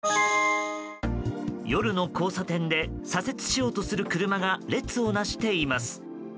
夜の交差点で、左折しようとする車が列をなしています。